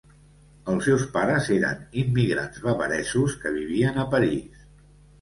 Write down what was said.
Els seus pares eren immigrants bavaresos que vivien a París.